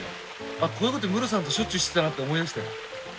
あっこういうことムロさんとしょっちゅうしてたなって思い出したよ。